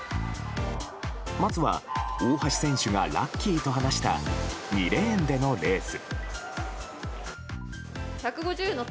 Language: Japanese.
まずは大橋選手がラッキーと話した２レーンでのレース。